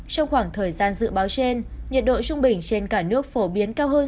trong khoảng thời gian dự báo trên nhiệt độ trung bình trên cả nước phổ biến cao hơn